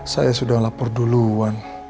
saya sudah lapor duluan